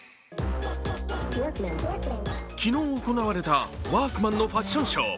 昨日行われたワークマンのファッションショー。